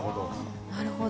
なるほど。